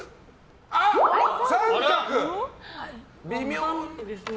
微妙。